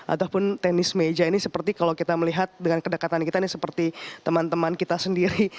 ataupun tenis meja ini seperti kalau kita melihat dengan kedekatan kita ini seperti teman teman kita sendiri